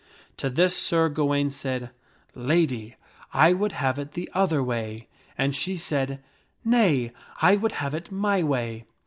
To this Sir Gawaine said, " Lady, I would have it the other way." And she said, " Nay, I would have it my way."